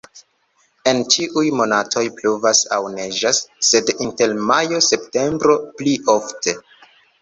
En ĉiuj monatoj pluvas aŭ neĝas, sed inter majo-septembro pli ofte.